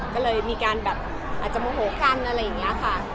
ก็เลยมีการแบบอาจจะโมโหกันอะไรอย่างนี้ค่ะ